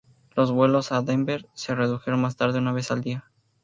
Los vuelos a Denver se redujeron más tarde una vez al día.